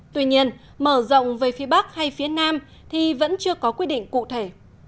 tuy nhiên mở rộng về phía bắc hay phía nam thì vẫn chưa có quy định cụ thể